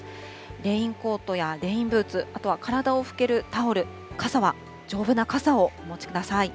レインコートやレインブーツ、あとは体を拭けるタオル、傘は丈夫な傘をお持ちください。